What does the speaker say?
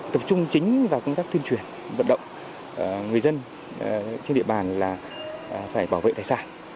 tập trung chính vào công tác tuyên truyền vận động người dân trên địa bàn là phải bảo vệ tài sản